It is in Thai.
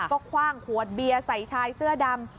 ก็คว่างขวดเบียร์ใส่ชายเสื้อดำ